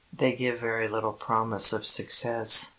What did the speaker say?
They give very little promise of success.